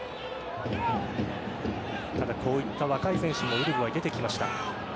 ただ、こういった若い選手もウルグアイ、出てきました。